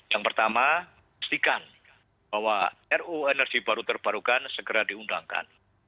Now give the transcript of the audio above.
yang pertama pastikan bahwa ru energi baru terbarukan segera diundangkan